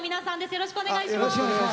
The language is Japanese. よろしくお願いします。